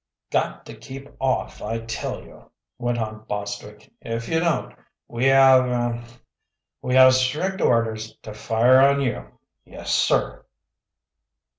"Got to keep off, I tell you," went on Bostwick. "If you don't, we have er we have strict orders to fire on you, yes, sir."